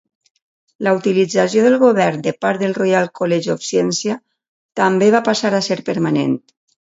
La utilització del Govern de part del Royal College of Science també va passar a ser permanent.